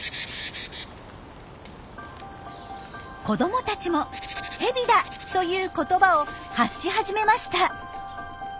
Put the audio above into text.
子どもたちも「ヘビだ」という言葉を発し始めました。